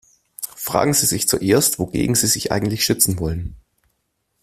Fragen Sie sich zuerst, wogegen Sie sich eigentlich schützen wollen.